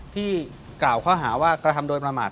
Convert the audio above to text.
ที่กล่าวข้อหาว่ากระทำโดยประมาท